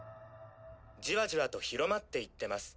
ジワジワと広まっていってます。